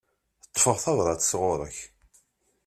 Ṭṭfeɣ tabrat sɣur-k.